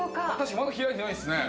まだ開いてないですね。